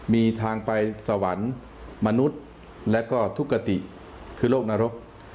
มีทางไปสวรรค์มนุษย์และก็ทุกกติคือโรคนรก